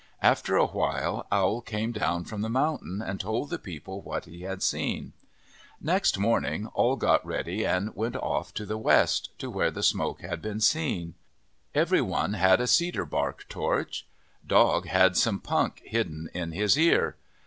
After a while Owl came down from the mountain and told the people what he had seen. Next morning all got ready and went ofT to the west, to where the smoke had been seen. Every one had a cedar bark torch. Dog had some punk hidden in his ear.